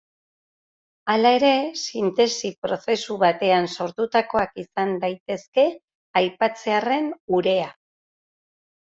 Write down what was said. Hala ere sintesi prozesu batean sortutakoak izan daitezke, aipatzearren urea.